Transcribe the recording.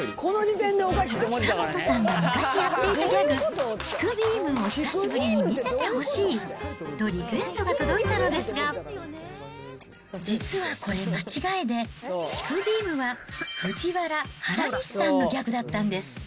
久本さんが昔やっていたギャグ、チクビームを久しぶりに見せてほしいとリクエストが届いたのですが、実はこれ、間違いで、チクビームはＦＵＪＩＷＡＲＡ・原西さんのギャグだったんです。